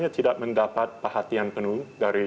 tidak mendapat perhatian penuh dari